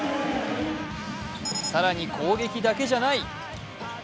更に攻撃だけじゃない。